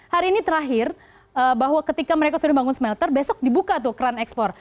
hari ini terakhir bahwa ketika mereka sudah bangun smelter besok dibuka tuh keran ekspor